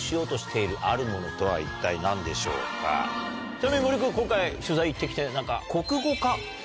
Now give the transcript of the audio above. ちなみに森君今回取材に行って来て何か。